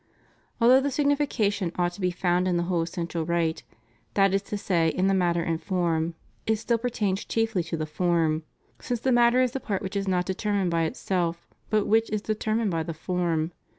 Although the signification ought to be found in the whole essential rite — that is to say, in the matter and form — ^it still pertains chiefly to the form ; since the mat ter is the part which is not determined by itself, but which is determined by the form.